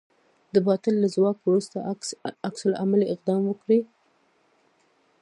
د باطل له ځواک وروسته عکس العملي اقدام وکړئ.